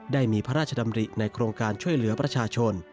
ได้มีพระราชดำริในโครงการช่วยเหลือประชาชน